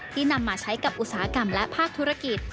นำมาใช้กับอุตสาหกรรมและภาคธุรกิจ